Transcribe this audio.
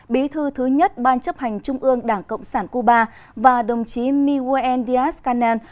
bí thư thứ nhất ban chấp hành trung ương đảng cộng sản cuba và đồng chí miguel díaz canel